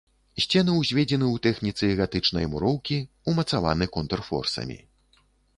Сцены ўзведзены ў тэхніцы гатычнай муроўкі, умацаваны контрфорсамі.